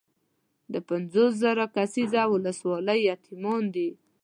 د پنځوس زره کسیزه ولسوالۍ یتیمان دي.